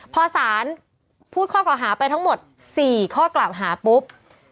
พอสารพูดข้อเก่าหาไปทั้งหมด๔ข้อกล่าวหาปุ๊บ